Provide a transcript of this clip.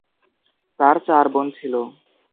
তার চার বোন ছিল।